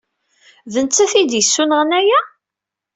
D netta ay d-yessunɣen aya?